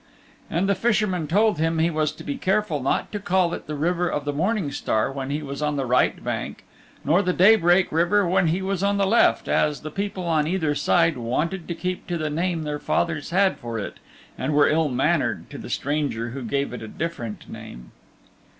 And the Fisherman told him he was to be careful not to call it the River of the Morning Star when he was on the right bank nor the Daybreak River when he was on the left, as the people on either side wanted to keep to the name their fathers had for it and were ill mannered to the stranger who gave it a different name.